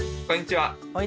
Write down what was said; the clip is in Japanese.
こんにちは。